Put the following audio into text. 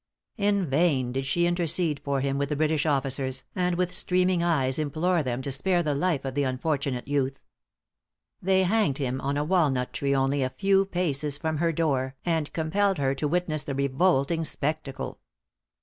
In vain did she intercede for him with the British officers, and with streaming eyes implore them to spare the life of the unfortunate youth. They hanged him on a walnut tree only a few paces from her door, and compelled her to witness the revolting spectacle!